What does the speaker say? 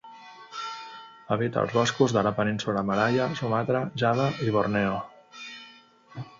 Habita els boscos de la Península Malaia, Sumatra, Java, i Borneo.